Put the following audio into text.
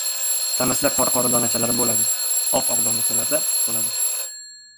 Tanasida qora-qora donachalari-da bo‘-ladi, oq-oq donachalarida bo‘ladi.